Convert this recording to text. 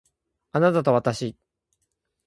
あなたとわたし